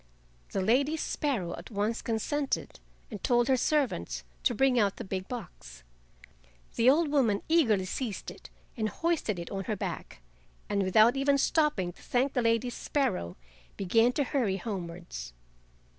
The Lady Sparrow at once consented, and told her servants to bring out the big box. The old woman eagerly seized it and hoisted it on her back, and without even stopping to thank the Lady Sparrow began to hurry homewards.